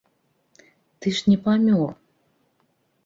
Ты ж не памёр!